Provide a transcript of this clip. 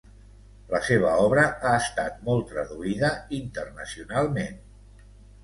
La seva obra ha estat molt traduïda internacionalment.